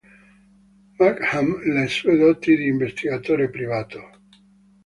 Markham le sue doti di investigatore privato.